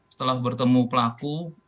setelah bertemu pelaku